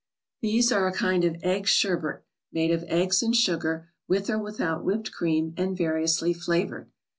These are a kind of egg sherbet, made of eggs and sugar, with or without whipped cream, and variously flavored.